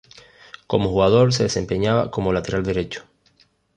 Como jugador se desempeñaba como lateral derecho.